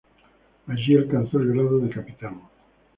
Allí alcanzó el grado de capitán.